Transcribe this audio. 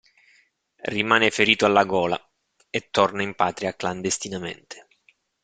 Rimane ferito alla gola e torna in patria clandestinamente.